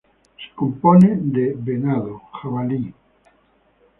Se compone de venado, jabalí.